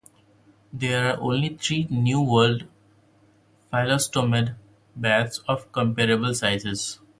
There are only three New World phyllostomid bats of comparable size.